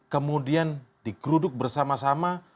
kemudian di geruduk bersama sama